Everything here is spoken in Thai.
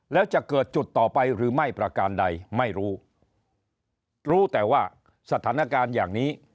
แล้วจะเกิดจุดต่อไปหรือไม่ประการใดไม่รู้รู้รู้แต่ว่าสถานการณ์อย่างนี้